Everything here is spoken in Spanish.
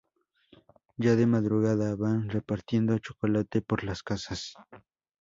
Ya de madrugada, van repartiendo chocolate por las casas.